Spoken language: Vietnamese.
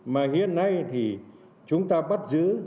mà hiện nay thì chúng ta bắt giữ